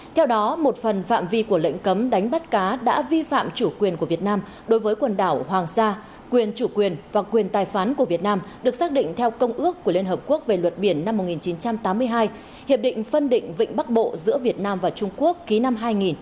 theo đó một phần phạm vi của lệnh cấm đánh bắt cá đã vi phạm chủ quyền của việt nam đối với quần đảo hoàng sa quyền chủ quyền và quyền tài phán của việt nam được xác định theo công ước của liên hợp quốc về luật biển năm một nghìn chín trăm tám mươi hai hiệp định phân định vịnh bắc bộ giữa việt nam và trung quốc ký năm hai nghìn một mươi hai